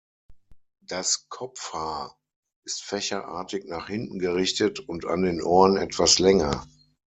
Das Kopfhaar ist fächerartig nach hinten gerichtet und an den Ohren etwas länger.